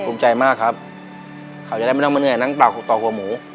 ภูมิใจมากครับเขาจะได้ไม่ต้องมาเหนื่อยนั่งปากต่อหัวหมู